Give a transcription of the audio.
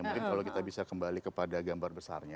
mungkin kalau kita bisa kembali kepada gambar besarnya